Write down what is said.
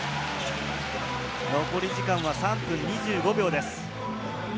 残り時間は３分２５秒です。